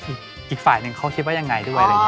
อีกฝ่ายหนึ่งเขาคิดว่ายังไงด้วยอะไรอย่างนี้